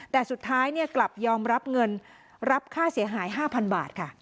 แต่สุดท้ายกลับยอมรับเงินรับค่าเสียหาย๕๐๐บาทค่ะ